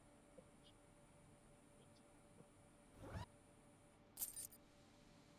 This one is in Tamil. அறுபத்து நாலடிக் கம்பத்திலேறி ஆடினாலும், அடியில் இறங்கித்தான் காசு வாங்க வேண்டும்.